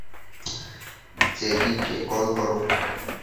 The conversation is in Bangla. জেডিকে কল করো।